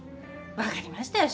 分かりましたよ。